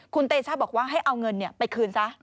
คุณเตชะบอกว่าให้เอาเงินไปคืนซะ